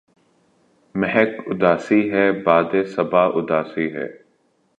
مہک اُداسی ہے، باد ِ صبا اُداسی ہے